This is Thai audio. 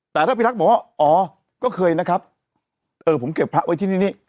แต่ถ้าพิรักษ์บอกว่าอ๋อก็เคยนะครับเออผมเก็บพระไว้ที่นี่